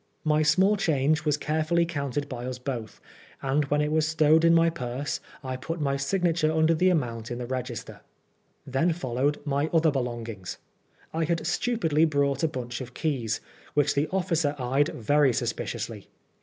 My small change was carefully counted by us both, and when it was stowed in my purse, I put my signature under the amount in the register. Then followed my other belongings. I had stupidly brought a bunch of keys, which the officer eyed very suspiciously.